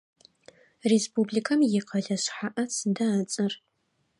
Республикэм икъэлэ шъхьаӏэ сыда ыцӏэр?